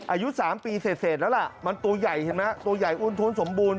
อายุ๓ปีเศษแล้วล่ะมันตัวใหญ่นะตัวใหญ่อุ้นทุนสมบูรณ์